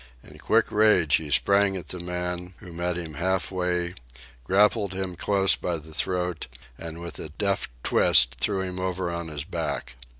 In quick rage he sprang at the man, who met him halfway, grappled him close by the throat, and with a deft twist threw him over on his back.